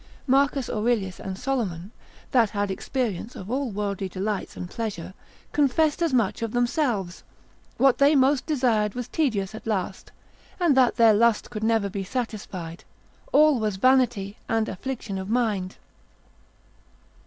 Marcus Aurelius and Solomon, that had experience of all worldly delights and pleasure, confessed as much of themselves; what they most desired, was tedious at last, and that their lust could never be satisfied, all was vanity and affliction of mind.